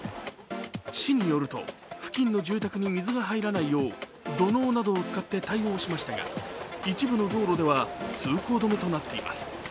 市によると、付近の住宅に水が入らないよう土のうなどを使って対応しましたが一部の道路では通行止めとなっています。